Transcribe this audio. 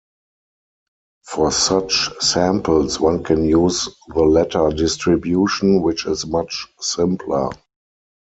For such samples one can use the latter distribution, which is much simpler.